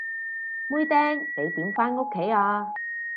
妹釘，你點返屋企啊？